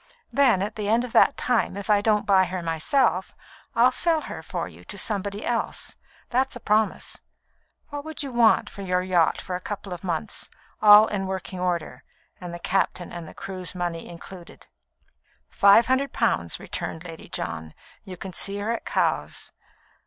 Then, at the end of that time, if I don't buy her myself, I'll sell her for you to somebody else; that's a promise. What would you want for your yacht for a couple of months, all in working order, and the captain and crew's money included?" "Five hundred pounds," returned Lady John. "You can see her at Cowes."